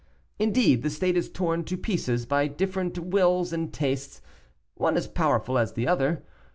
Indeed, the state is torn to pieces by different wills and tastes, one as powerful as the other.